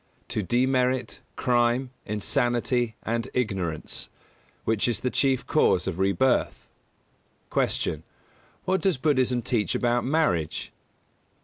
To demerit, crime, insanity, and ignorance which is the chief cause of rebirth. 205. Q. _What does Buddhism teach about marriage?